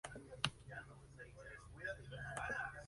Apeló al gobierno del estado de Tamil Nadu en busca de ayuda.